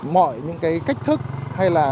mọi những cái cách thức hay là